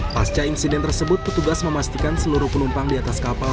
pasca insiden tersebut petugas memastikan seluruh penumpang di atas kapal